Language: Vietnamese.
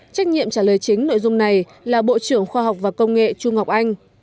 trách nhiệm trả lời chính nội dung này là bộ trưởng khoa học và công nghệ trung học anh